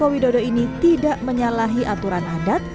jokowi dodo ini tidak menyalahi aturan adat